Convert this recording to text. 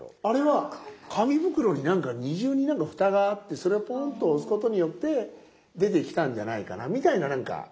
あれは紙袋に何か２重にフタがあってそれをポンと押すことによって出てきたんじゃないかなみたいな何か。